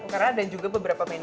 jadi bisa di refer